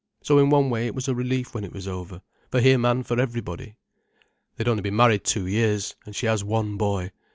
So in one way it was a relief when it was over—for him and for everybody.' They had only been married two years, and she has one boy.